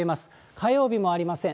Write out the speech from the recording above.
火曜日もありません。